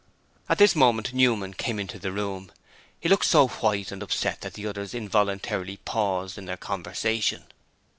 At this moment Newman came into the room. He looked so white and upset that the others involuntarily paused in their conversation.